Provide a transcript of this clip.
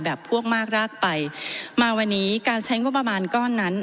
พวกมากรากไปมาวันนี้การใช้งบประมาณก้อนนั้น